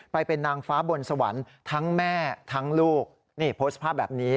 ไปเป็นนางฟ้าบนสวรรค์ทั้งแม่ทั้งลูกนี่โพสต์ภาพแบบนี้